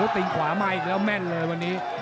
ตินขวามาอีกแล้วแม่นเลยวันนี้